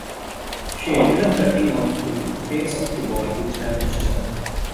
She ended up cutting off the face of the boy who challenged her.